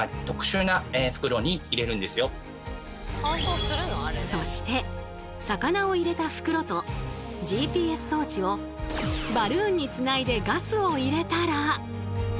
まずはそして魚を入れた袋とＧＰＳ装置をバルーンにつないでガスを入れたら。